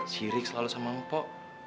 sirik selalu sama mpok